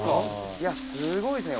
いやすごいですね。